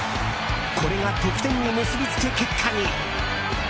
これが得点に結びつく結果に。